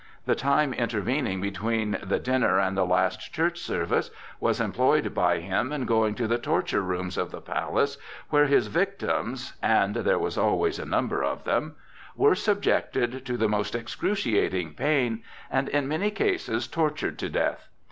The time intervening between the dinner and the last church service was employed by him in going to the torture rooms of the palace where his victims—and there was always a number of them—were subjected to the most excruciating pain, and in many cases tortured to death.